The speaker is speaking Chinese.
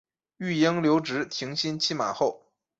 育婴留职停薪期满后